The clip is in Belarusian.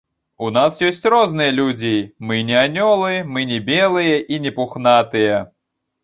У нас ёсць розныя людзі, мы не анёлы, мы не белыя і не пухнатыя.